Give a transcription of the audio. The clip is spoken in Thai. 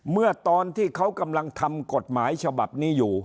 เมื่อตอนที่เขากำลังทำกฎหมายฉบับนี้อยู่